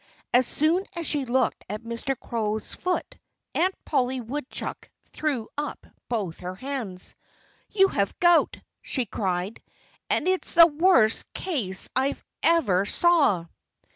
As soon as she looked at Mr. Crow's foot Aunt Polly Woodchuck threw up both her hands. "You have gout!" she cried. "And it's the worst case I ever saw."